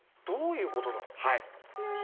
どういうことだ？